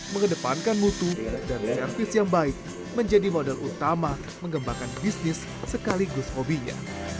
mengedepankan mutu dan servis yang baik menjadi modal utama mengembangkan bisnis sekaligus hobinya